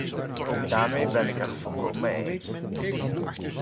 Ook daarmee ben ik het volkomen eens.